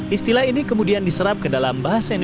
istilah ini kemudian diserap ke dalam bahasa indonesia